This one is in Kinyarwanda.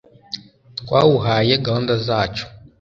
twawuhaye gahunda zacu